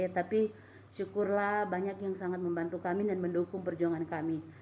tapi syukurlah banyak yang sangat membantu kami dan mendukung perjuangan kami